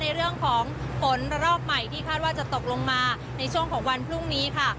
เรื่องของฝนระลอกใหม่ที่คาดว่าจะตกลงมาในช่วงของวันพรุ่งนี้ค่ะ